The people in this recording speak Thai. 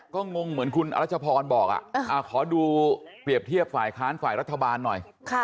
ก็งงเหมือนคุณอรัชพรบอกขอดูเปรียบเทียบฝ่ายค้านฝ่ายรัฐบาลหน่อย